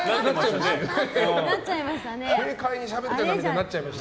軽快にしゃべってるなってなっちゃいました。